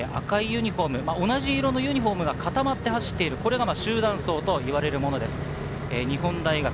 赤いユニホーム、同じ色のユニホームがかたまって走っている、これが集団走です。